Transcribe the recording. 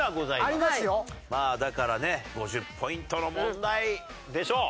まあだからね５０ポイントの問題でしょう！